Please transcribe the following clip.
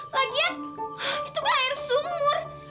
lagian itu kok air sumur